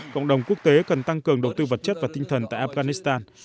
cộng đồng quốc tế cần tăng cường đầu tư vật chất và tinh thần tại afghanistan